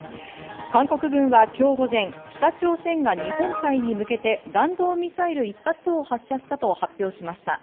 韓国軍は今日午前、北朝鮮が日本海に向けて、弾道ミサイル１発を発射したと発表しました。